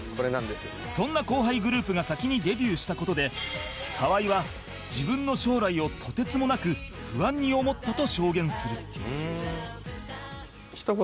そんな後輩グループが先にデビューした事で河合は自分の将来をとてつもなく不安に思ったと証言する